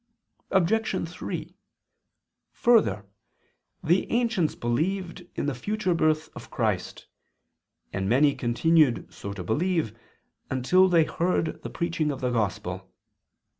Obj. 3: Further, the ancients believed in the future birth of Christ, and many continued so to believe, until they heard the preaching of the Gospel.